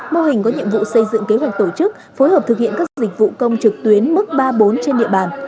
mô hình có nhiệm vụ xây dựng kế hoạch tổ chức phối hợp thực hiện các dịch vụ công trực tuyến mức ba bốn trên địa bàn